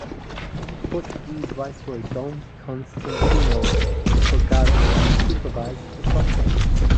The Portuguese viceroy Dom Constantino de Braganza supervised the process.